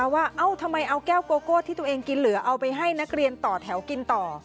เอ้าทำไมเอาแก้วโกโก้ที่ตัวเองกินเหลือเอาไปให้นักเรียนต่อแถวกินต่อ